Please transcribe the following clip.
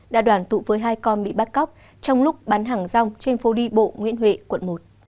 đã đoàn tụ với hai con bị bắt cóc trong lúc bán hàng rong trên phố đi bộ nguyễn huệ quận một